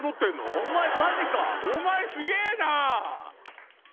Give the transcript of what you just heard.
お前すげぇな！